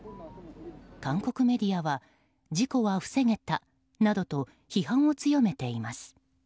韓国メディアは事故は防げたなどと批判を強めています。